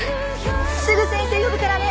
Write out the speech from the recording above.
すぐ先生呼ぶからね。